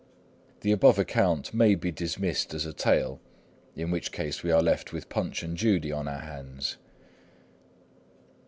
The above account may be dismissed as a tale, in which case we are left with Punch and Judy on our hands.